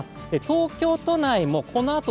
東京都内もこのあと